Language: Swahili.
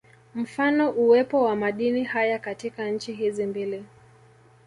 Mfano uwepo wa madini haya katika nchi hizi mbili